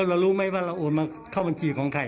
เรารู้ไหมว่าเราโอนมาเข้าบัญชีของใคร